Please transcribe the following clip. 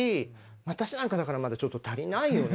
私なんかだからまだちょっと足りないよね